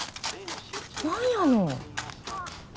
何やの。